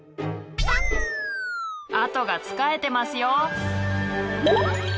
あとがつかえてますよ！